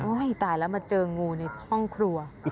ตายแล้วมาเจองูในห้องครัว